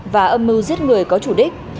và âm mưu giết người có chủ đích